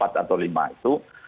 jadi empat atau lima itu